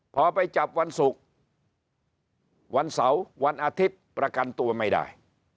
พอไปจับวันศุกร์วันเสาร์วันอาทิตย์ประกันตัวไม่ได้